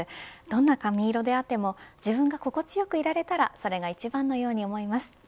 どんな髪色であっても自分が心地よくいられたらそれが一番のように思います。